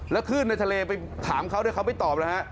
แล้วขึ้นในทะเลไปถามเขาแต่เขาไม่ตอบเลยครับ